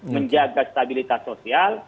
menjaga stabilitas sosial